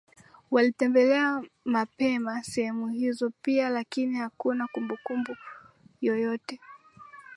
walitembelea mapema sehemu hizo pia lakini hakuna kumbukumbu yoyote